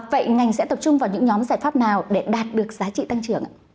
vậy ngành sẽ tập trung vào những nhóm giải pháp nào để đạt được giá trị tăng trưởng ạ